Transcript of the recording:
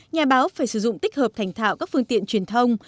nhà báo phải sử dụng tích hợp thành thạo các phương tiện truyền thông